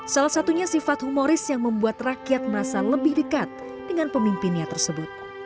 salah satunya sifat humoris yang membuat rakyat merasa lebih dekat dengan pemimpinnya tersebut